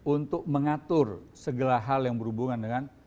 untuk mengatur segala hal yang berhubungan dengan